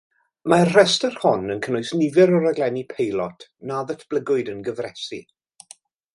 Mae'r rhestr hon yn cynnwys nifer o raglenni peilot na ddatblygwyd yn gyfresi.